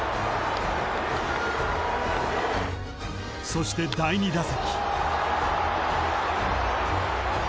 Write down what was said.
［そして第２打席］